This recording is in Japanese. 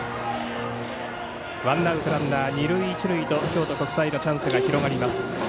ワンアウトランナー、二塁一塁と京都国際のチャンスが広がります。